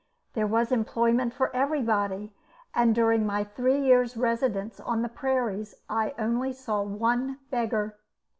There was employment for everybody, and during my three years' residence on the prairies I only saw one beggar.